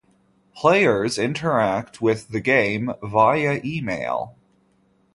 Players interact with the game via email.